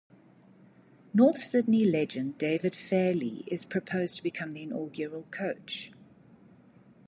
North Sydney legend David Fairleigh is proposed to become the inaugural coach.